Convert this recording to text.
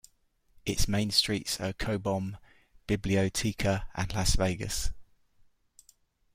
Its main streets are Cobom, Biblioteca and Las Vegas.